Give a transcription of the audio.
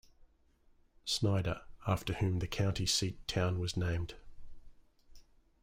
Snyder, after whom the county seat town was named.